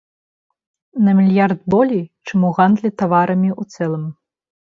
На мільярд болей, чым у гандлі таварамі ў цэлым.